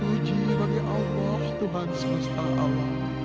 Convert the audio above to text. puji bagi allah tuhan semesta awal